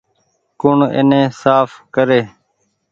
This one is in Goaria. ڪوڻ ايني ساڦ ڪري ۔